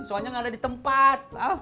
soalnya nggak ada di tempat